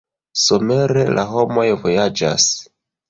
Somere la homoj vojaĝas.